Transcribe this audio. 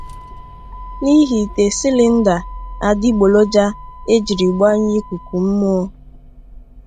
n'ihi ìtè silinda adịgboloja e jiri gbanye ikuku mmụọ